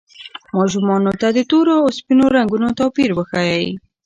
ماشومانو ته د تورو او سپینو رنګونو توپیر وښایئ.